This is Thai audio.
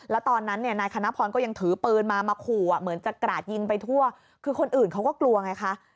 แล้วตอนนั้นเนี่ยนายคณะพรก็ยังถือปืนมามาขู่เหมือนจะกราดยิงไปทั่วคือคนอื่นเขาก็กลัวไงคะ